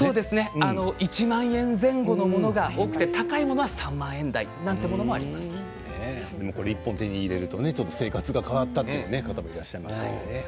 １万円前後のものが多くて高いものはこれ１本手に入れて生活が変わったという方もいらっしゃいました。